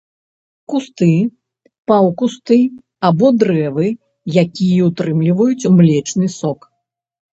Кусты, паўкусты або дрэвы, якія ўтрымліваюць млечны сок.